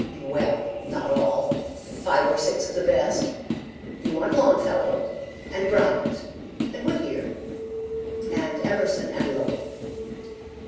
"'Well, not all. Five or six of the best; you want Longfellow, and Bryant, and Whittier, and Emerson, and Lowell.'